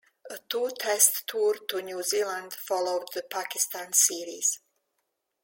A two test tour to New Zealand followed the Pakistan series.